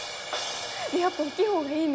やっぱ大っきいほうがいいの？